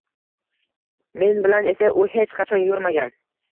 Men bilan esa u hech qachon yurmagan.